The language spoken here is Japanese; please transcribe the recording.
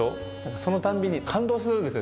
そのたびに感動するんですよね。